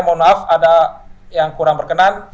mohon maaf ada yang kurang berkenan